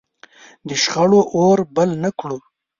د شخړو اور بل نه کړو.